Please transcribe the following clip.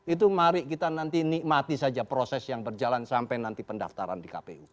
itu mari kita nanti nikmati saja proses yang berjalan sampai nanti pendaftaran di kpu